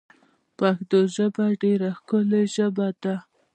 پشتو ژبه ډېره ښکولي ژبه ده